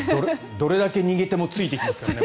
どれだけ逃げてもついてきますからね。